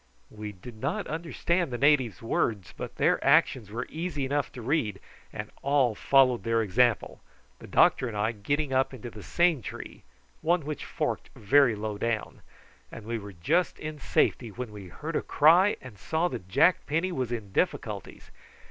We did not understand the natives' words, but their actions were easy enough to read, and all followed their example, the doctor and I getting up into the same tree, one which forked very low down, and we were just in safety when we heard a cry, and saw that Jack Penny was in difficulties.